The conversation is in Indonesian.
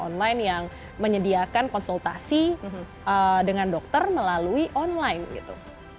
online yang menyediakan konsultasi dengan dokter melalui online gitu